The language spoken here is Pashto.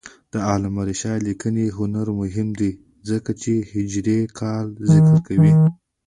د علامه رشاد لیکنی هنر مهم دی ځکه چې هجري کال ذکر کوي.